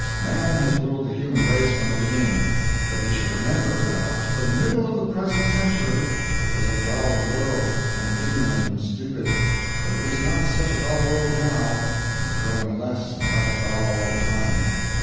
Man has ruled the human race from the beginning but he should remember that up to the middle of the present century it was a dull world, and ignorant and stupid; but it is not such a dull world now, and is growing less and less dull all the time.